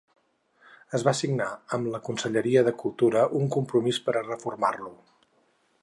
Es va signar amb la Conselleria de Cultura un compromís per a reformar-lo.